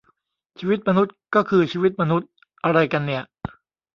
ชีวิตมนุษย์ก็คือชีวิตมนุษย์อะไรกันเนี่ย ?